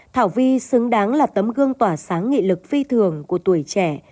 thảo vi xứng đáng là tấm gương tỏa sáng nghị lực phi thường của tuổi trẻ